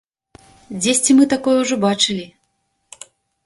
Дзесьці мы такое ўжо бачылі.